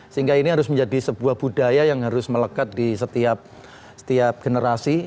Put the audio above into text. sehingga ini harus menjadi sebuah budaya yang harus melekat di setiap generasi